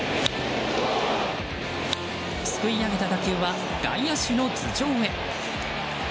すくい上げた打球は外野手の頭上へ。